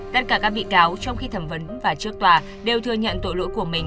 tất cả các bị cáo trong khi thẩm vấn và trước tòa đều thừa nhận tội lỗi của mình